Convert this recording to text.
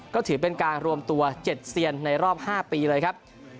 ก็ถือเป็นการรวมตัว๗เซียนในรอบ๕ปีเลยครับ